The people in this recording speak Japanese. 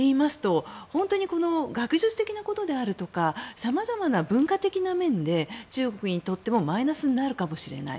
本当に学術的なことであるとか様々な文化的な面で中国にとってもマイナスになるかもしれない。